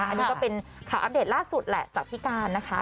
อันนี้ก็เป็นข่าวอัปเดตล่าสุดแหละจากพี่การนะคะ